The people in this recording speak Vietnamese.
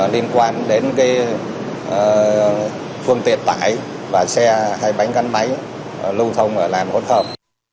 liên quan đến cái phương tiện tải và xe hay bánh gắn máy lưu thông ở làn hỗn hợp